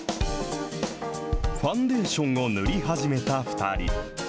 ファンデーションを塗り始めた２人。